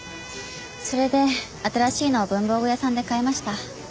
それで新しいのを文房具屋さんで買いました。